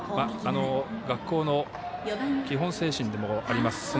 学校の基本精神でもあります